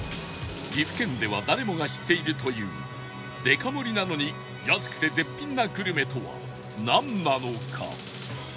岐阜県では誰もが知っているというデカ盛りなのに安くて絶品なグルメとはなんなのか？